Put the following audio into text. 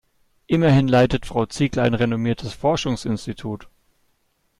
Immerhin leitet Frau Ziegler ein renommiertes Forschungsinstitut.